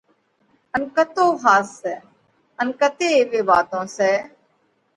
ان ڪتو ۿاس سئہ؟ ان ڪتي ايوي واتون سئہ